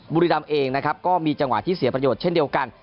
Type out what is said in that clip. บุรีรำเองนะครับก็มีจังหวะที่เสียประโยชน์เช่นเดียวกัน